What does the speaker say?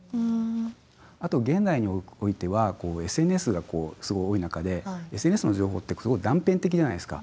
あと現代においてはＳＮＳがすごい多い中でＳＮＳの情報ってすごい断片的じゃないですか。